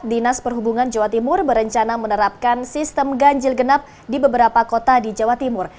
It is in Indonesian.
dinas perhubungan jawa timur berencana menerapkan sistem ganjil genap di beberapa kota di jawa timur